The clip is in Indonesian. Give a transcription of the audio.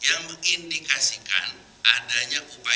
yang mengindikasikan adanya konflik